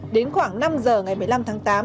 đến khoảng năm giờ ngày một mươi năm tháng tám